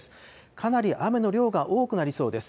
かなり雨の量が多くなりそうです。